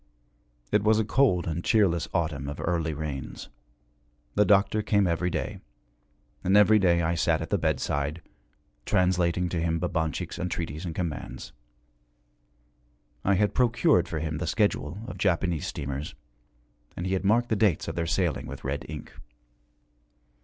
It was a cold and cheerless autumn of early rains. The doctor came every day. And every day I sat at the bedside, translating to him Babanchik's entreaties and commands. I had procured for him the schedule of Japanese steamers, and he had marked the dates of their sailing with red ink.